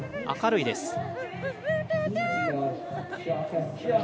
明るいです。